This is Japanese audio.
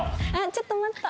「ちょっと待った」。